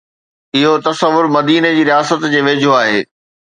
اهو تصور مديني جي رياست جي ويجهو آهي.